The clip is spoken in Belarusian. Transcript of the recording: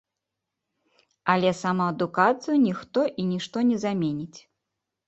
Але самаадукацыю ніхто і нішто не заменіць.